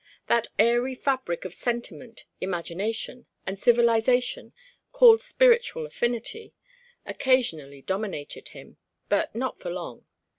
That airy fabric of sentiment, imagination, and civilisation called spiritual affinity, occasionally dominated him, but not for long.